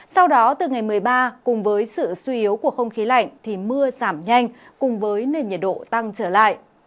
sau đó từ ngày một mươi ba cùng với sự suy yếu của không khí lạnh thì mưa giảm nhanh cùng với nền nhiệt độ tăng trở lại